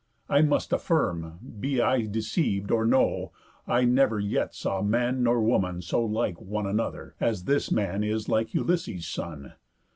I must affirm, be I deceiv'd or no, I never yet saw man nor woman so Like one another, as this man is like Ulysses' son.